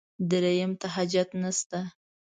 درېیم ته حاجت نشته.